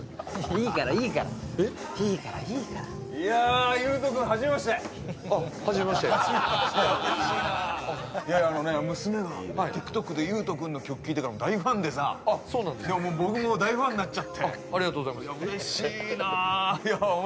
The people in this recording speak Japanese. いいからいいからいいからいいからいやーユウト君はじめましてあっはじめましてはいいやあのね娘がＴｉｋＴｏｋでユウト君の曲聴いてから大ファンでさあっそうなんですかでも僕も大ファンになっちゃってありがとうございますいや嬉しいな